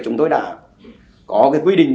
chúng tôi đã có quy định